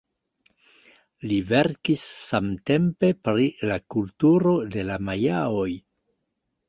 Li verkis samtempe pri la kulturo de la majaoj.